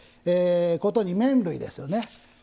ことに麺類ですよね。